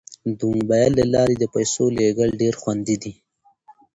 د موبایل له لارې د پيسو لیږل ډیر خوندي دي.